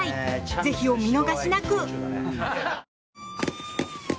ぜひ、お見逃しなく！